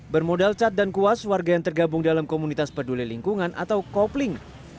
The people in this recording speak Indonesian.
bermodal cat dan kuas warga yang tergabung dalam komunitas peduli lingkungan atau kopling